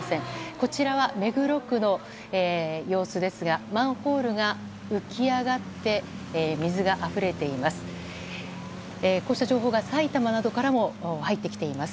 こちらは目黒区の様子ですがマンホールが浮き上がって水があふれています。